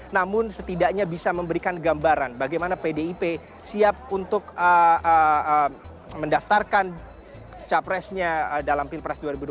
namun setidaknya bisa memberikan gambaran bagaimana pdip siap untuk mendaftarkan capresnya dalam pilpres dua ribu dua puluh